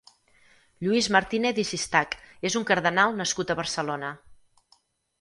Lluís Martínez i Sistach és un cardenal nascut a Barcelona.